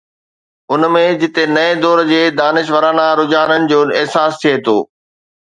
ان ۾ جتي نئين دور جي دانشورانه رجحانن جو احساس ٿئي ٿو.